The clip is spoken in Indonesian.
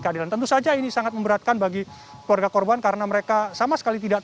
keadilan tentu saja ini sangat memberatkan bagi keluarga korban karena mereka sama sekali tidak